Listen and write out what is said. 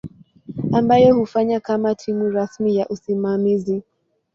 ambayo hufanya kama timu rasmi ya usimamizi.